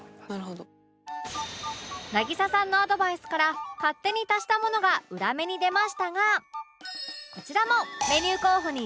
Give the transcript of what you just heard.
渚さんのアドバイスから勝手に足したものが裏目に出ましたがこちらもメニュー候補に登録